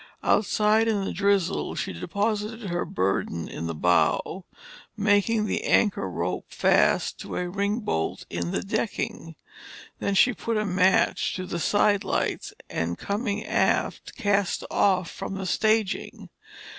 Outside in the drizzle, she deposited her burden in the bow, making the anchor rope fast to a ring bolt in the decking. Then she put a match to the side lights and coming aft, cast off from the staging.